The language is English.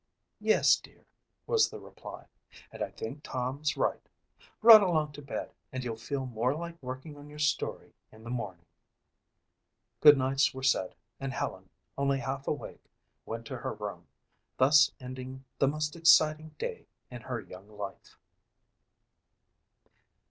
"Yes, dear," was the reply, "and I think Tom's right. Run along to bed and you'll feel more like working on your story in the morning." Goodnights were said and Helen, only half awake, went to her room, thus ending the most exciting day in her young life.